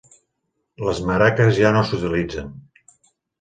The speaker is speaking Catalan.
Les maraques ja no s'utilitzen.